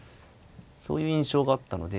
そういう印象があったので。